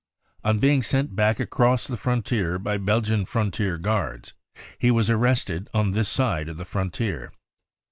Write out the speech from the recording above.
On being sent back across the from tier by Belgian frontier guards, he was arrested on this side of the frontier.